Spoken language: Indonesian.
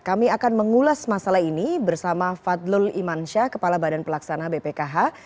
kami akan mengulas masalah ini bersama fadlul imansyah kepala badan pelaksana bpkh